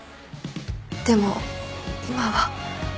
でも今は。